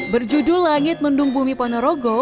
berjudul langit mendung bumi ponorogo